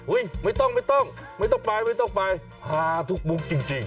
อุ้ยไม่ต้องไม่ต้องไปหาทุกมุมจริง